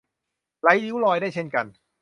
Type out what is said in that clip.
ไร้ริ้วรอยได้เช่นกัน